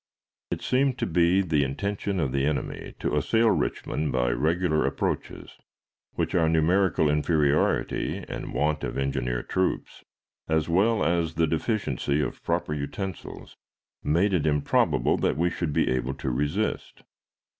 It seemed to be the intention of the enemy to assail Richmond by regular approaches, which our numerical inferiority and want of engineer troops, as well as the deficiency of proper utensils, made it improbable that we should be able to resist.